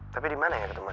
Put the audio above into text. tapi di mana ya ketemuan